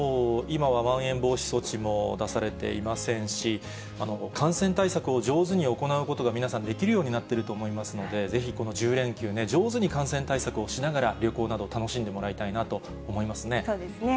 今は、まん延防止措置も出されていませんし、感染対策を上手に行うことが、皆さん、できるようになっていると思いますので、ぜひ、この１０連休に、上手に感染対策をしながら、旅行など楽しんでもらいたいなと思いますね。